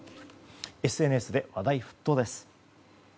ＳＮＳで話題沸騰です。